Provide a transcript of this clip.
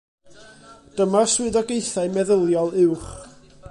Dyma'r swyddogaethau meddyliol uwch.